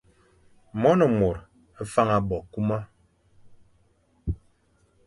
Mone mor faña bo kuma.